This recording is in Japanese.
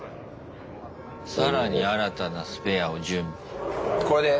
更に新たなスペアを準備。